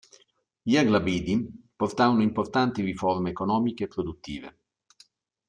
Gli Aghlabidi portarono importanti riforme economiche e produttive.